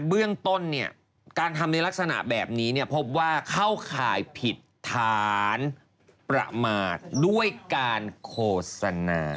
เบื้องต้นเนี่ยการทำในลักษณะแบบนี้พบว่าเข้าข่ายผิดฐานประมาทด้วยการโฆษณา